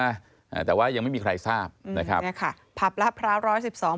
อ่าแต่ว่ายังไม่มีใครทราบอืมนะครับเนี้ยค่ะผับละพร้าวร้อยสิบสอง